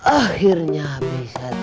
akhirnya habis satu